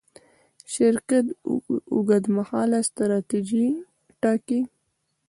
شرکت اوږدمهاله ستراتیژي ټاکي.